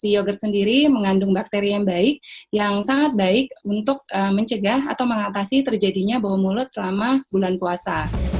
yogurt sendiri mengandung bakteri yang baik yang sangat baik untuk mencegah atau mengatasi terjadinya bau mulut selama bulan puasa